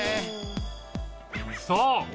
そう！